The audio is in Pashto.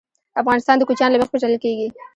افغانستان د کوچیان له مخې پېژندل کېږي.